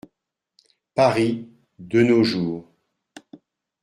Paris, de nos jours.